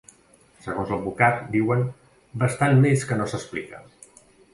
Segons l’advocat, diuen ‘bastant més que no s’explica’.